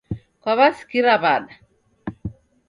Kwaw'asikira wada?